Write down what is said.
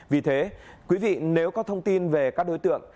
vì thế quý vị nếu có thông tin về các đối tượng